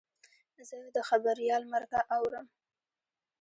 زه د خبریال مرکه اورم.